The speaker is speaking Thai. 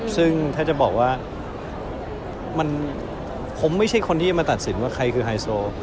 ซึ่งถ้าจะบอกว่าผมไม่ใช่คนที่จะมาตัดสินว่าใครคือไฮโซ